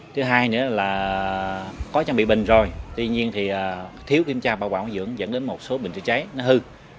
thứ hai nữa là có trang bị bình rồi tuy nhiên thì thiếu kiểm tra bảo quản dưỡng dẫn đến một số bình chữa cháy nó hư